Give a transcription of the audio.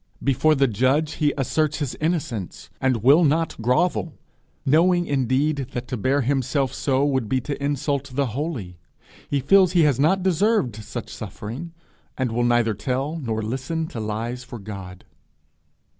Before the Judge he asserts his innocence, and will not grovel knowing indeed that to bear himself so would be to insult the holy. He feels he has not deserved such suffering, and will neither tell nor listen to lies for God.